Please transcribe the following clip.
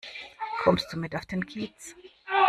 Kommst du mit auf den Kiez?